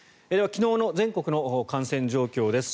昨日の全国の感染状況です